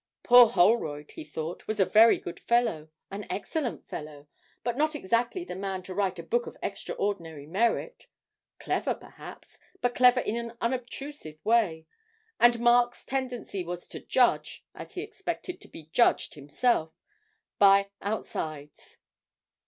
Poor Holroyd, he thought, was a very good fellow an excellent fellow, but not exactly the man to write a book of extraordinary merit clever, perhaps, but clever in an unobtrusive way and Mark's tendency was to judge, as he expected to be judged himself, by outsides.